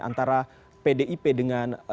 antara pdip dengan